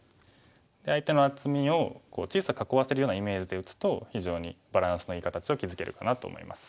相手の厚みを小さく囲わせるようなイメージで打つと非常にバランスのいい形を築けるかなと思います。